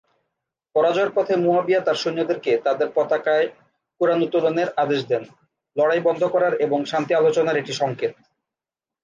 পরাজয়ের পথে মুয়াবিয়া তার সৈন্যদের কে তাদের পতাকায় কুরআন উত্তোলনের আদেশ দেন; লড়াই বন্ধ করার এবং শান্তি আলোচনার একটি সংকেত।